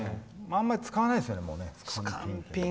あんまり使わないですよね。